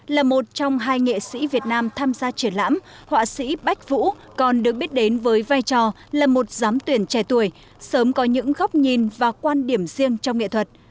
là một trong hai nghệ sĩ việt nam tham gia triển lãm họa sĩ bách vũ còn được biết đến với vai trò là một giám tuyển trẻ tuổi sớm có những góc nhìn và quan điểm riêng trong nghệ thuật